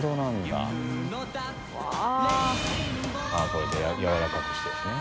これでやわらかくしてね。